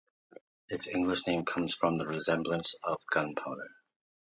Its English name comes from its resemblance to grains of gunpowder.